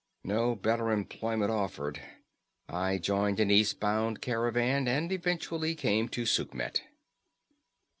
No better employment offered. I joined an east bound caravan and eventually came to Sukhmet."